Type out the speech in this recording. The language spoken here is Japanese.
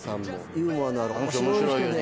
ユーモアのある面白い人で。